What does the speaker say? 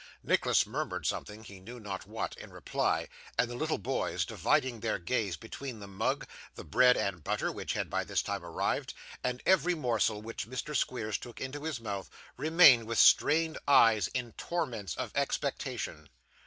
Nicholas murmured something he knew not what in reply; and the little boys, dividing their gaze between the mug, the bread and butter (which had by this time arrived), and every morsel which Mr. Squeers took into his mouth, remained with strained eyes in torments of expectation.